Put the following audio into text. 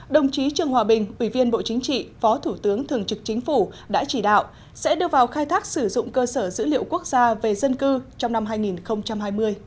đồng chí trương hòa bình ủy viên bộ chính trị phó thủ tướng thường trực chính phủ đã chỉ đạo sẽ đưa vào khai thác sử dụng cơ sở dữ liệu quốc gia về dân cư trong năm hai nghìn hai mươi